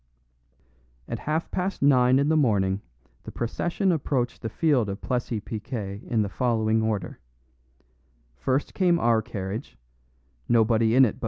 At half past nine in the morning the procession approached the field of Plessis Piquet in the following order: first came our carriage nobody in it but M.